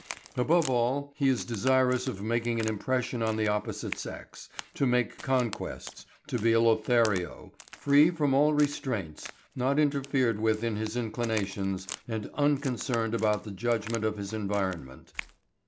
Above all he is desirous of making an impression on the opposite sex, to make conquests, to be a Lothario, free from all restraints, uninterfered with in his inclinations, and unconcerned about the judgment of his environment.